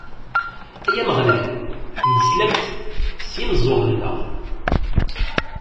Ay Ameɣlal, nesla-t s yimeẓẓuɣen-nneɣ!